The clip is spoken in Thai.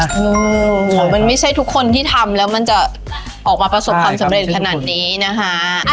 โอ้โหมันไม่ใช่ทุกคนที่ทำแล้วมันจะออกมาประสบความสำเร็จขนาดนี้นะคะ